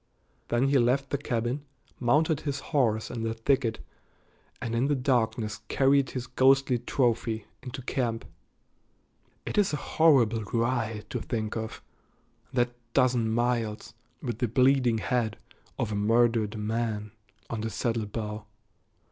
Then he left the cabin, mounted his horse in the thicket, and in the darkness carried his ghostly trophy into camp. It is a horrible ride to think of, that dozen miles, with the bleeding head of a murdered man on the saddle bow.